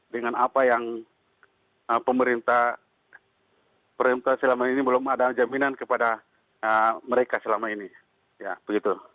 dengan apa yang pemerintah selama ini belum ada jaminan kepada mereka selama ini ya begitu